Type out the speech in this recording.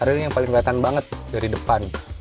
ada ini yang paling kelihatan banget dari depan